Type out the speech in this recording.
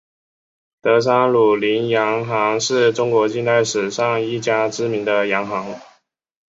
德商鲁麟洋行是中国近代史上一家知名的洋行。